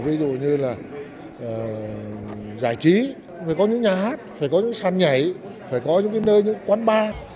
ví dụ như là giải trí phải có những nhà hát phải có những sàn nhảy phải có những nơi những quán bar